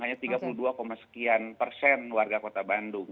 hanya tiga puluh dua sekian persen warga kota bandung